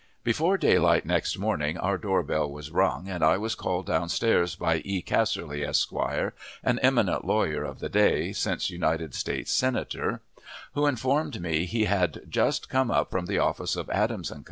Before daylight next morning, our door bell was rung, and I was called down stairs by E. Casserly, Esq. (an eminent lawyer of the day, since United States Senator), who informed me he had just come up from the office of Adams & Co.